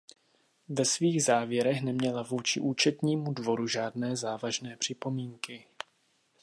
Ve svých závěrech neměla vůči Účetnímu dvoru žádné závažné připomínky.